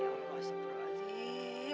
ya allah ya allah